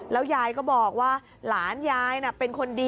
แล้วยายก็บอกว่าหลานยายเป็นคนดี